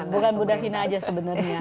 bukan budafina aja sebenarnya